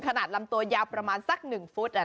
ขนาดลำตัวยาประมาณสักหนึ่งฟุต